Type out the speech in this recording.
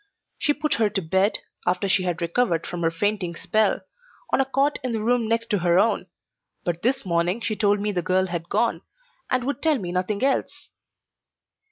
She put her to bed, after she had recovered from her fainting spell, on a cot in the room next to her own, but this morning she told me the girl had gone, and would tell me nothing else.